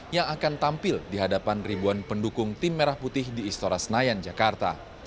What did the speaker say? yang akan tampil di hadapan ribuan pendukung tim merah putih di istora senayan jakarta